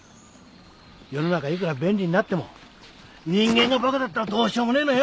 世の中いくら便利になっても人間がバカだったらどうしようもねえのよ。